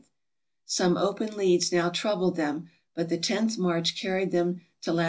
Some open leads now troubled them, but the tenth march carried them to lat.